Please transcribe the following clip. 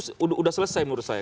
sudah selesai menurut saya